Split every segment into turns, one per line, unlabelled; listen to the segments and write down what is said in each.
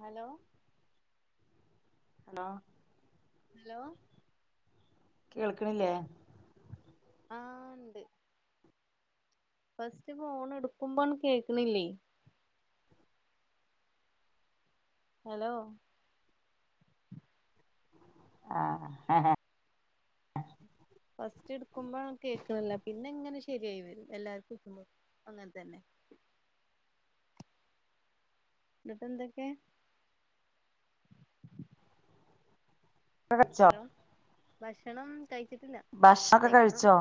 Hello
hello
hello
കേൾക്ണില്ലേ
ആ ഉണ്ട് ഫസ്റ്റ് ഫോൺ എടുക്കുമ്പോ കേക്ണില്ലേ ഹലോ
ആ ഹെ ഹെ
ഫസ്റ്റ് എടുക്കുമ്പോ കേക്ക്ണില്ല പിന്നെ ഇങ്ങനെ ശെരിയായി വരും എല്ലാർക്കും വിളിക്കുമ്പോ അങ്ങനെ തന്നെ ന്നിട്ട് എന്തൊക്കെ ഹലോ
[unintelligible]
ഭക്ഷണം കഴിച്ചിട്ടില്ല
ഭക്ഷണൊക്കെ
കഴിക്കണം
കഴിച്ചോ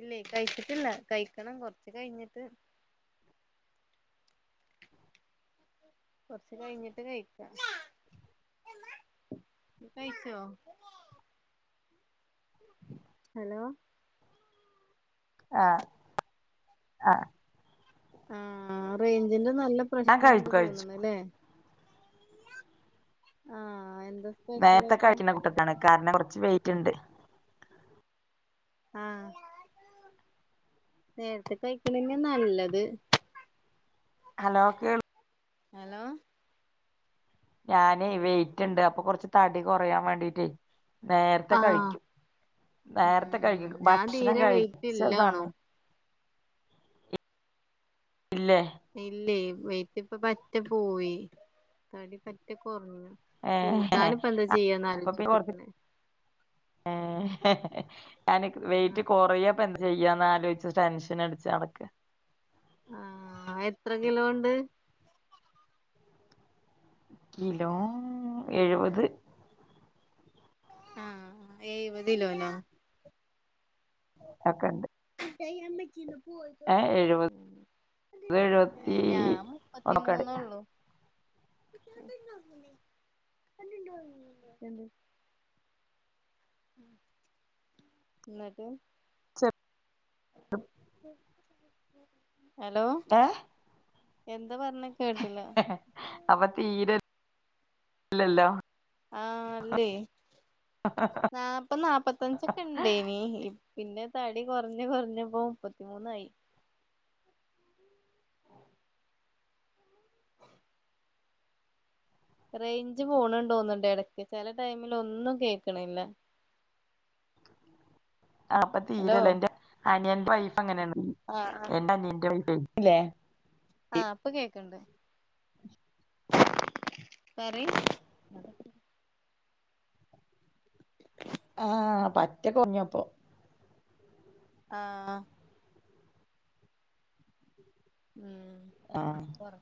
ഇല്ലേ കഴിച്ചിട്ടില്ല കഴിക്കണം കൊറച്ച് കഴിഞ്ഞിട്ട് കുറച്ച് കഴിഞ്ഞിട്ട് കഴിക്ക കഴിച്ചോ ഹലോ
ആ ആ
ആ റേഞ്ച് ന്റെ നല്ല
ഞാൻ
പ്രശ്നണ്ട്
കഴിച്ചു കഴിച്ചു
തോന്ന്ണ് ല്ലേ ആ എ
നേത്തെ കഴിക്ക്ണ കുട്ട്യേക്കാണ് കാരണം കൊറച്ച് വൈ റ്റ്ണ്ട്
ആ നേരത്തെ കഴിക്ക്ണെന്നെ നല്ലത്
ഹലോ കേൾ
ഹലോ
ഞാന് വെയിറ്റ്ണ്ട് അപ്പൊ കൊറച്ച് തടി കൊറയാൻ വേണ്ടീട്ടേ നേരത്തെ
ആഹ്
കഴിക്കും നേരത്തെ
ഉം
കഴിക്കും
ഞാൻ
ഭക്ഷണം
തീരെ
കഴിച്ച
വെയിറ്റ് ഇല്ലാണും
സമയം ഇല്ലേ
ഇല്ലേ വെയ്റ്റിപം പറ്റെ പോയി തടി പറ്റ കൊർഞ്ഞു [unintelligible]
ഏ അപ്പ പി
ആലോചിച്ചിരിക്കണ്
ഏഹ് ഏ ഞാന് വെയിറ്റ്
ആഹ്
കൊറയയുവോ ഇപ്പൊ - ചെയ്യാന്ന് ആലോചിച്ച് ടെൻഷനടിച്ച് നടക്കുവാ
ആഹ് എത്ര കിലോണ്ട്
കിലോ എഴുപത്
ആഹ് എയുവതിലോനോ [unintelligible]
അക്കണ്ട് [unintelligible]
[unintelligible]
എഴുപത് അത് എഴുപത്തി
ഏ ഞാ
ഒക്കെണ്ട്
മുപ്പത്തിമൂന്നൊള്ളൂ എന്ത് [unintelligible] ന്നിട്ട്
ആ
[unintelligible] ഹലോ എന്ന്
ഏ
എന്താ പറഞ്ഞേ കേട്ടില്ല
ഇല്ലല്ലോ
ആഹ് അല്ലേ നാപ്പ നാപ്പത്തഞ്ചൊക്കെ ഇണ്ടേനി പിന്നെ തടി കൊറഞ്ഞ് കൊറഞ്ഞിപ്പം മുപ്പത്തിമൂന്നായി. റെയ്ഞ്ച് പോണിണ്ടോന്നിണ്ടാ എടക്ക് ചെല ടൈമില് ഒന്നും കേക്കണില്ല
അപ്പൊ
ഹലോ
തീരയില്ല എന്റെ അനിയന്റെ വൈഫ് അങ്ങനേണ് എന്റെ അനിയന്റെ വൈ [unintelligible] ഇല്ലേ
ആ ഇപ്പ കേക്ക്ണ്ട്. പറയ്
ആഹ് പറ്റ കൊറഞ്ഞിപ്പോ
ആ ഉം
ആഹ്
കൊറ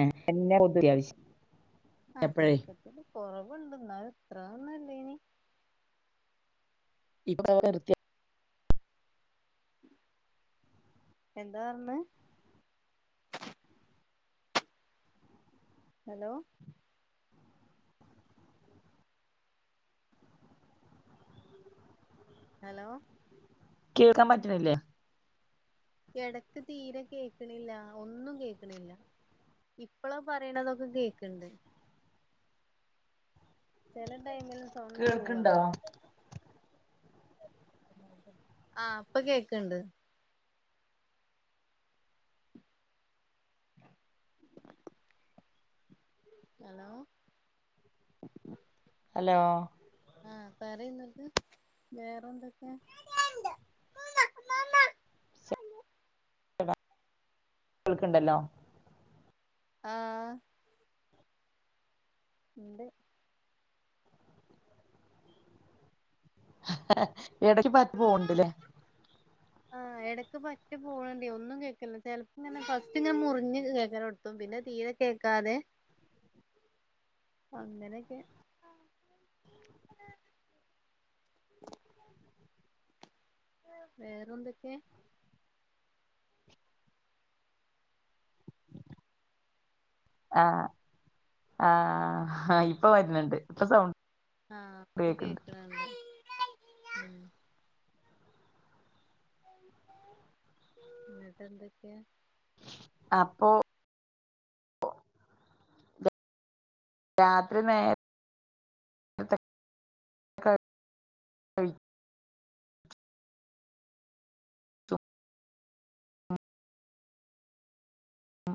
ഏഹ് ഇന്നർ അത്യാവശ്യം
ആ
എപ്പഴേ
ചെറുപ്പത്തിലെ കൊറവുണ്ട് എന്നാലും ഇത്രഒന്നും ഇ ല്ലേനി
ഇപ്പ നിർത്തിയോ
എന്താ പറഞ്ഞെ ഹലോ ഹലോ
കേൾക്കാൻ പറ്റണില്ലേ
ഇടക്ക് തീരെ കേക്കണില്ല ഒന്നും കേക്കണില്ല ഇപ്പള പറയണതൊക്കെ കേക്കണ്ട് ചെല ടൈമിൽ സൗണ്ട്
കേൾക്കണ്ടോ
പോവാണ് ആ ഇപ്പൊ കേക്കണ്ട് ഹലോ
ഹലോ
ആ പറ എന്നിട്ട് വേറെന്തൊക്കെ
കോൾക്കണ്ടല്ലോ
ആ ഉണ്ട്
ഇടക്ക് പറ്റ് പോണ്ടല്ലേ
ആഹ് ഇടക്ക് പറ്റി പോണണ്ടേ ഒന്നും കേക്കല്ല ചെലപ്പോ ഇങ്ങനെ ഫസ്റ്റ് ഇങ്ങൻ മുറിഞ്ഞ് കേക്കാന കൊടുത്തു പിന്നെ തീരെ കേക്കാതെ അങ്ങനെയൊക്കെ വേറെന്തൊക്കെയ
ആ ആ ആ ഇപ്പൊ വരുന്നുണ്ട് ഇപ്പൊ സൗണ്ട്
ആ ഇപ്പൊ
കേൾക്കണ്ട്
കേക്കണണ്ട് ഉം ഇന്നട്ട് എന്തൊക്കെയാ
അപ്പൊ രാത്രി നേരെത്തെ [unintelligible] ഉം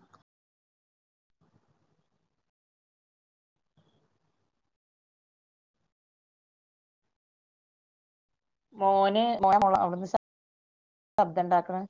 മോന് മോൻ മോളെ അവിടുന്ന് ശബ്ദം ഇണ്ടാക്കണേ